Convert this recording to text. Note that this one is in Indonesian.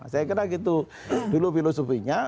saya kira gitu dulu filosofinya